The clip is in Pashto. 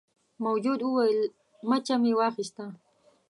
موجود وویل مچه مې واخیسته.